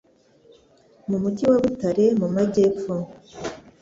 mu mujyi wa Butare mu majyepfo